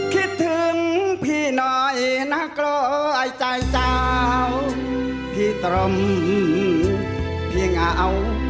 คิดถึงพี่หน่อยนักร้อยใจเจ้าพี่ตรงพี่เหงา